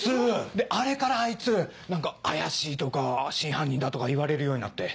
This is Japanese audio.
であれからあいつ何か怪しいとか真犯人だとか言われるようになって。